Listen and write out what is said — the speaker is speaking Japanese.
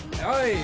はい。